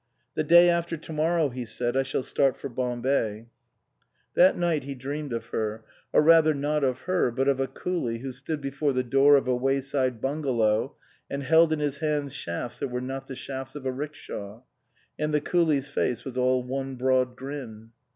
" The day after to morrow," he said, "I shall start for Bombay." 197 THE COSMOPOLITAN That night he dreamed of her ; or rather, not of her, but of a coolie who stood before the door of a wayside bungalow, and held in his hands shafts that were not the shafts of a 'rickshaw. And the coolie's face was all one broad grin.